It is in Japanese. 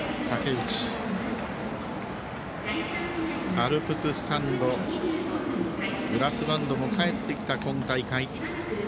アルプススタンドブラスバンドも帰ってきた今大会。